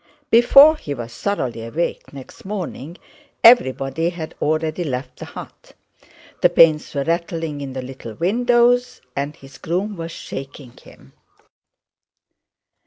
Before he was thoroughly awake next morning everybody had already left the hut. The panes were rattling in the little windows and his groom was shaking him.